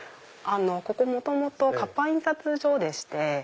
ここ元々活版印刷所でして。